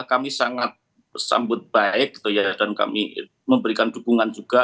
kami sangat sambut baik dan kami memberikan dukungan juga